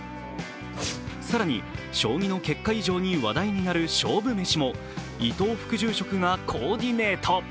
更に、将棋の結果以上に話題になる勝負メシも伊藤副住職がコーディネート。